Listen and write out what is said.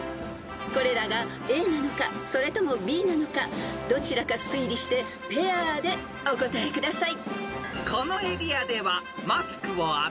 ［これらがＡなのかそれともＢなのかどちらか推理してペアでお答えください］